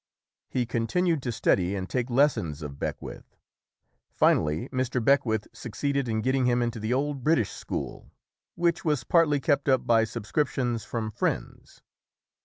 He continued to study and take lessons of 132 ] UNSUNG HEROES Beckwith. Finally, Mr. Beckwith succeeded in getting him into the Old British School, which was partly kept up by subscriptions from friends.